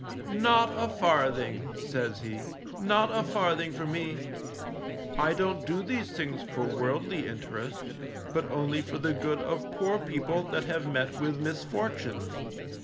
Not a farthing_, says he, _not a farthing for me. I don't do these things for worldly interest, but only for the good of poor people that have met with misfortunes.